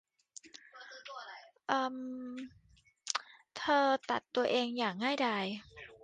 เธอตัดตัวเองอย่างง่ายดาย